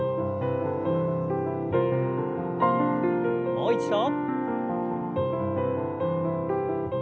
もう一度。